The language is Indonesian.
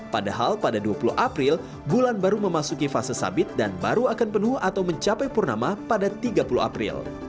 padahal pada dua puluh april bulan baru memasuki fase sabit dan baru akan penuh atau mencapai purnama pada tiga puluh april